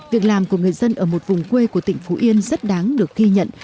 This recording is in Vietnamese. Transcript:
việc làm của người dân ở một vùng quê của tỉnh phú yên rất đáng được ghi nhận